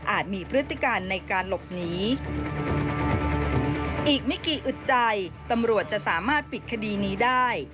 มีพฤติการในการหลบหนีอีกไม่กี่อึดใจตำรวจจะสามารถปิดคดีนี้ได้